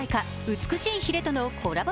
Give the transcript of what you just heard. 「美しい鰭」とのコラボ